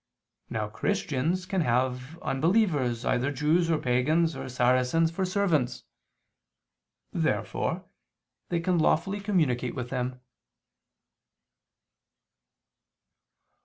Now Christians can have unbelievers, either Jews, or pagans, or Saracens, for servants. Therefore they can lawfully communicate with them.